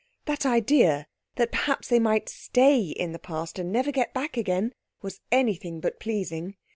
That idea, that perhaps they might stay in the Past and never get back again, was anything but pleasing.